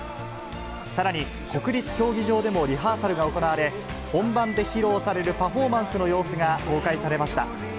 さらに国立競技場でもリハーサルが行われ、本番で披露されるパフォーマンスの様子が公開されました。